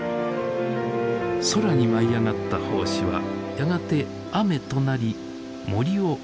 空に舞い上がった胞子はやがて雨となり森を潤す。